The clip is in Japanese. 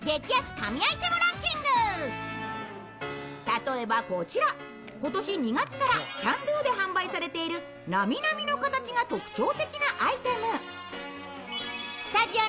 例えばこちら、今年２月からキャンドゥで販売されているなみなみの形が特徴的なアイテム。